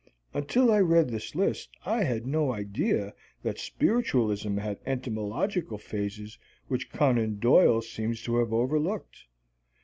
Until I read this list I had no idea that spiritualism had entomological phases which Conan Doyle seems to have overlooked.